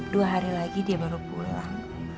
dua hari lagi dia baru pulang